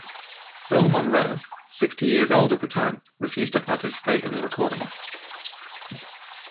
Bill Monroe, sixty years old at the time, refused to participate in the recordings.